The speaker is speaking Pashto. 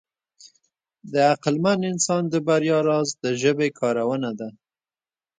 د عقلمن انسان د بریا راز د ژبې کارونه ده.